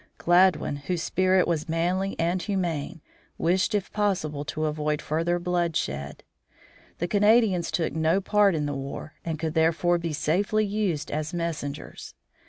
Gladwin, whose spirit was manly and humane, wished if possible to avoid further bloodshed. The Canadians took no part in the war, and could, therefore, be safely used as messengers.